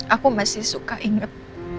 aku masih suka inget